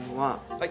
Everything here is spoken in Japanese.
はい。